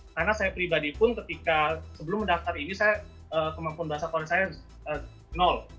karena saya pribadi pun ketika sebelum mendaftar ini kemampuan bahasa korea saya nol